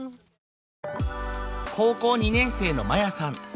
高校２年生のマヤさん。